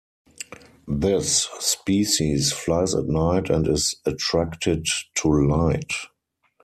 This species flies at night and is attracted to light.